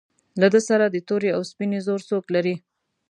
له ده سره د تورې او سپینې زور څوک لري.